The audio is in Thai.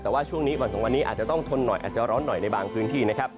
แต่ว่าช่วงนี้วันสองวันนี้อาจจะต้องทนหน่อยอาจจะร้อนหน่อยในบางพื้นที่นะครับ